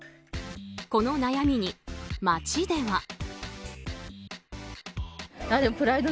この悩みに街では。